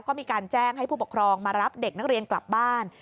ก็มีการแจ้งให้ผู้ปกครองมารับเด็กนักเรียนกลับบ้าน